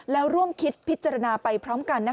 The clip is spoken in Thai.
แล้วร่วมคิดพิจารณาไปพร้อมกัน